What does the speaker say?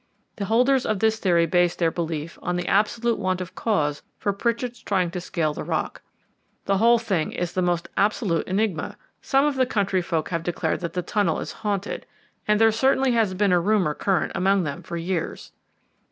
The holders of this theory base their belief on the absolute want of cause for Pritchard's trying to scale the rock. The whole thing is the most absolute enigma. Some of the country folk have declared that the tunnel is haunted (and there certainly has been such a rumour current among them for years).